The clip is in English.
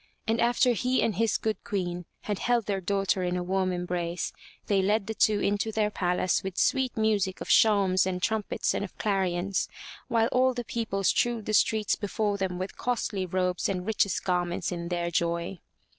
And after he and his good queen had held their daughter in a warm embrace, they led the two into their palace with sweet music of shawms and trumpets and of clarions, while all the people strewed the streets before them with costly robes and richest garments in their joy.